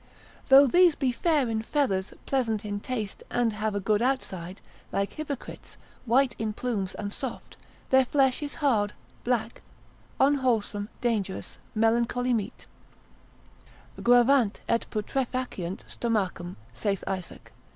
Though these be fair in feathers, pleasant in taste, and have a good outside, like hypocrites, white in plumes, and soft, their flesh is hard, black, unwholesome, dangerous, melancholy meat; Gravant et putrefaciant stomachum, saith Isaac, part.